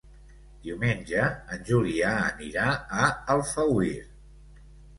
Diumenge en Julià anirà a Alfauir.